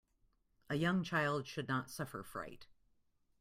A young child should not suffer fright.